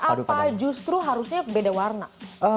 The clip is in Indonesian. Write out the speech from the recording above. apa justru harusnya beda warna